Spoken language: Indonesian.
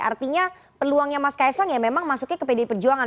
artinya peluangnya mas kaisang ya memang masuknya ke pdi perjuangan